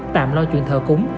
tạm lo chuyện thờ cúng